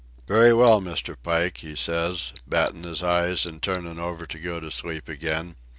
'Very well, Mr. Pike,' he says, battin' his eyes and turnin' over to go to sleep again.